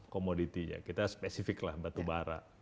komoditinya kita spesifiklah batubara